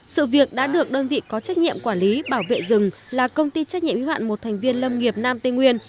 sự việc đã được đơn vị có trách nhiệm quản lý bảo vệ rừng là công ty trách nhiệm y hoạn một thành viên lâm nghiệp nam tây nguyên